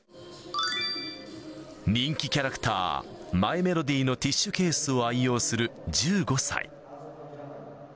人気キャラクター、マイメロディのティッシュケースを愛用する１５歳。